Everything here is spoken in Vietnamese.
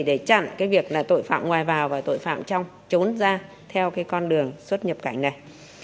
để chặn cái việc là tội phạm ngoài vào và tội phạm trong trốn ra theo cái con đường xuất nhập cảnh này